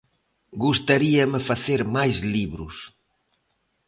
Gustaríame facer máis libros.